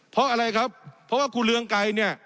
เพราะอะไรครับเพราะว่าครูเรืองไกรเนี่ย